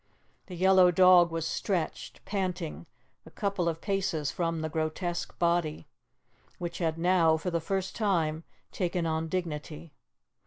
The yellow dog was stretched, panting, a couple of paces from the grotesque body, which had now, for the first time, taken on dignity.